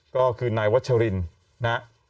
ก็คือนายวัชรินนะฮะ